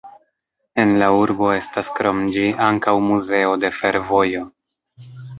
En la urbo estas krom ĝi ankaŭ muzeo de fervojo.